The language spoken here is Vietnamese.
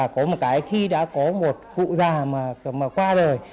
có một cái khi đã có một cụ già mà qua đời